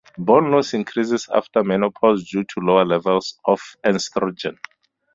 Bone loss increases after menopause due to lower levels of estrogen.